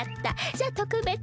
じゃあとくべつに。